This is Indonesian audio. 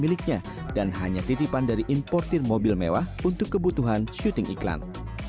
sebelumnya ditjen pajak mengatakan bahwa ini adalah kebutuhan dari importer mobil mewah untuk kebutuhan syuting iklan